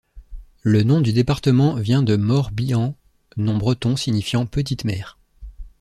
Le nom du département vient de Mor-Bihan, nom breton, signifiant Petite Mer.